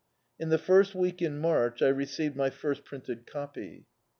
In the first week in Mardi I received my first printed copy.